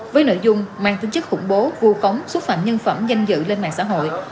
với nội dung mang tính chức khủng bố vô cống xúc phạm nhân phẩm danh dự lên mạng xã hội